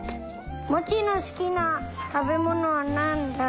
モチのすきなたべものはなんだ！